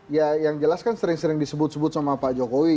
ya yang jelas kan sering sering disebut sebut sama pak jokowi